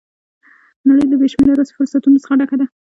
نړۍ له بې شمېره داسې فرصتونو څخه ډکه ده